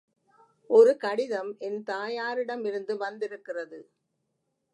ஒரு கடிதம் என் தாயாரிடமிருந்து வந்திருக்கிறது.